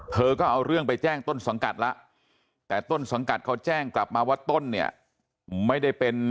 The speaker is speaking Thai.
เธอก็เอาเรื่องไปแจ้งต้นสังกัดแล้วแต่ต้นสังกัดเขาแจ้งกลับมาว่าต้นเนี่ยไม่ได้เป็น